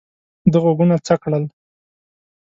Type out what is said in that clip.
ده غوږونه څک کړل.